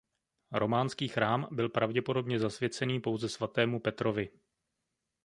Románský chrám byl pravděpodobně zasvěcený pouze svatému Petrovi.